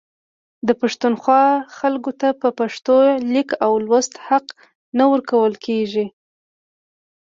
د پښتونخوا خلکو ته په پښتو د لیک او لوست حق نه ورکول کیږي